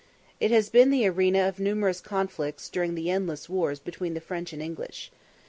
It has been the arena of numerous conflicts during the endless wars between the French and English.